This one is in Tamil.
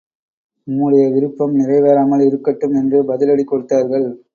உம்முடைய விருப்பம் நிறைவேறாமல் இருக்கட்டும்! என்று பதிலடி கொடுத்தார்கள்.